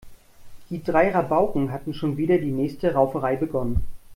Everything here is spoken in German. Die drei Rabauken hatten schon wieder die nächste Rauferei begonnen.